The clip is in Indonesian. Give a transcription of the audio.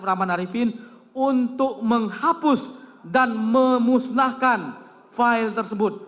arief rahman haripin untuk menghapus dan memusnahkan file tersebut